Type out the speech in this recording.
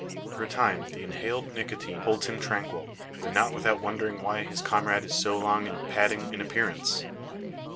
For a time the inhaled nicotine holds him tranquil; though not without wondering why his comrade is so long in patting in an appearance.